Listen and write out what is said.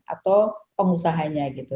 atau pengusahanya gitu